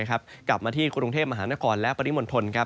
กลับมาที่กรุงเทพมหานครและปริมณฑล